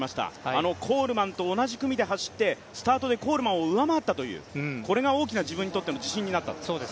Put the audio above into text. あのコールマンと同じ組で走ってスタートでコールマンを上回ったという自分にとってこれが大きな自信になったと。